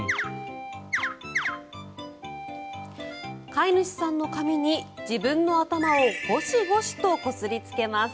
飼い主さんの髪に自分の頭をゴシゴシとこすりつけます。